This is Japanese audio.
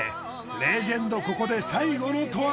レジェンドここで最後の投網。